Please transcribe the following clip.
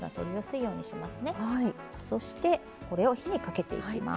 そしてこれを火にかけていきます。